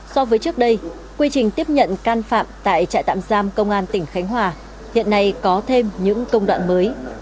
so với trước đây quy trình tiếp nhận can phạm tại trại tạm giam công an tỉnh khánh hòa hiện nay có thêm những công đoạn mới